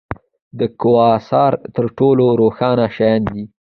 د کواسار تر ټولو روښانه شیان دي.